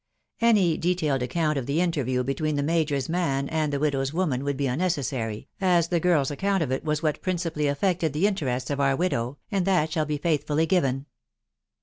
Any detailed account of the interview between the major's man and the widow's woman would be unnecessary, as the girl's account of it was what principally affected the in terests of our widow, and that shall be faithfully given.